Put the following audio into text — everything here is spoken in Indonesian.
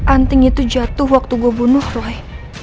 anting itu jatuh waktu gue bunuh roy